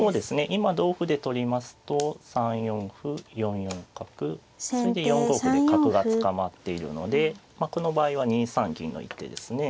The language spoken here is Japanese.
今同歩で取りますと３四歩４四角それで４五歩で角が捕まっているのでこの場合は２三銀の一手ですね。